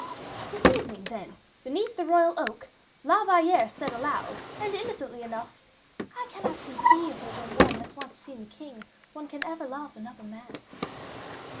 "This evening, then, beneath the royal oak, La Valliere said aloud, and innocently enough, 'I cannot conceive that when one has once seen the king, one can ever love another man.